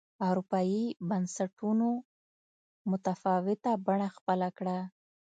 اروپايي بنسټونو متفاوته بڼه خپله کړه.